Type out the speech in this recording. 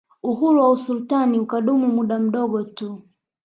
Uhuru wa usultani ukadumu muda mdogo tu